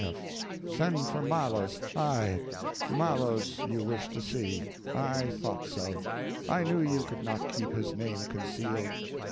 F. Send for Malos, aye! Malos you wish to see; I thought so. I knew you could not keep his name concealed.